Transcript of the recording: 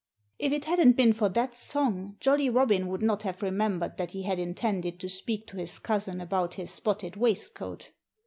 If it hadn't been for that song, Jolly Robin would not have remembered that he had intended to speak to his cousin about his spotted waistcoat.